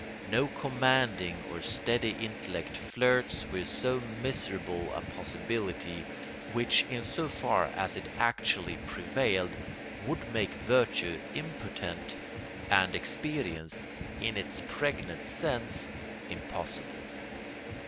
No commanding or steady intellect flirts with so miserable a possibility, which in so far as it actually prevailed would make virtue impotent and experience, in its pregnant sense, impossible.